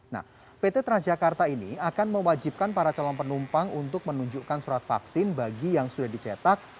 nah pt transjakarta ini akan mewajibkan para calon penumpang untuk menunjukkan surat vaksin bagi yang sudah dicetak